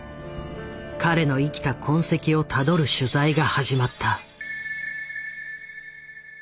彼の生きた痕跡をたどる取材が始まった。